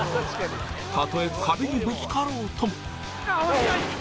たとえ壁にぶつかろうとも。